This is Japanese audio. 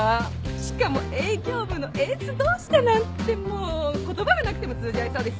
しかも営業部のエース同士だなんてもう言葉がなくても通じ合えそうですよね。